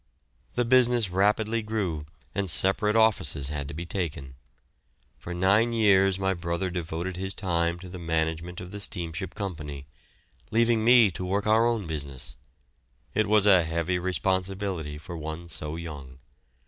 The business rapidly grew and separate offices had to be taken. For nine years my brother devoted his time to the management of the steamship company, leaving me to work our own business. It was a heavy responsibility for one so young.